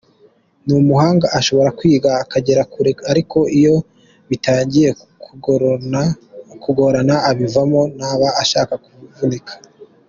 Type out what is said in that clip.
Ni umuhanga ,ashobora kwiga akagera kure ariko iyo bitangiye kugorana abivamo ntaba ashaka kuvunika.